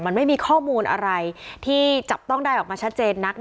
มันไม่มีข้อมูลอะไรที่จับต้องได้ออกมาชัดเจนนัก